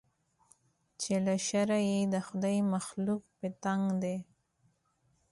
چې له شره یې د خدای مخلوق په تنګ دی